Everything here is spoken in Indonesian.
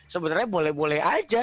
sebenarnya boleh boleh aja